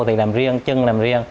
chân làm riêng chân làm riêng